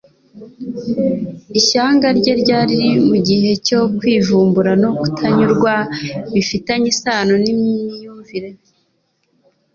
ishyanga rye ryari mu gihe cyo kwivumbura no kutanyurwa bifitanye isano n'imyivumbagatanyo.